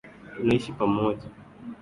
Tunaishi pamoja.